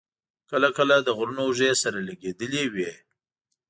کله کله د غرونو اوږې سره لګېدلې وې.